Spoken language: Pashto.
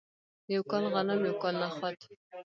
یو کال غنم یو کال نخود.